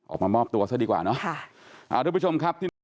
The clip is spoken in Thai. ออกมามอบตัวซะดีกว่าเนอะ